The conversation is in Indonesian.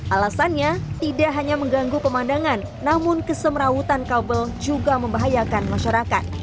alasannya tidak hanya mengganggu pemandangan namun kesemrawutan kabel juga membahayakan masyarakat